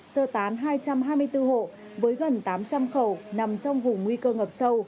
sơ tán hai trăm hai mươi bốn hộ với gần tám trăm linh khẩu nằm trong vùng nguy cơ ngập sâu